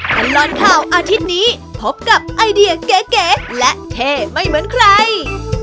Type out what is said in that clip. ตลอดข่าวอาทิตย์นี้พบกับไอเดียเก๋และเท่ไม่เหมือนใคร